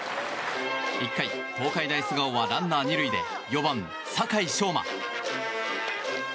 １回、東海大菅生はランナー２塁で４番、酒井成真。